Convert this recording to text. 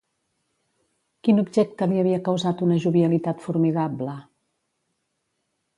Quin objecte li havia causat una jovialitat formidable?